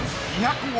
２００語